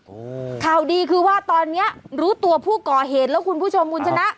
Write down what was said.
โอ้โหข่าวดีคือว่าตอนเนี้ยรู้ตัวผู้ก่อเหตุแล้วคุณผู้ชมคุณชนะ